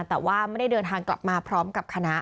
แต่ว่าไม่ได้เดินทางกลับมาพร้อมกับคณะ